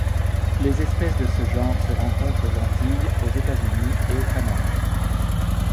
Les espèces de ce genre se rencontrent aux Antilles, aux États-Unis et au Panama.